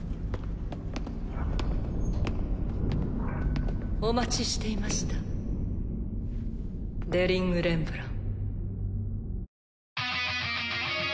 ピッお待ちしていましたデリング・レンブラン。